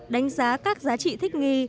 đánh giá các giá trị thích nghi